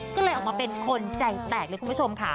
ก็เลยออกมาเป็นคนใจแตกเลยคุณผู้ชมค่ะ